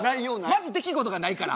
まず出来事がないから。